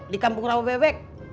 di kampung rawa bebek